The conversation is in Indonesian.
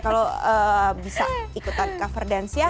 kalau bisa ikutan cover dance ya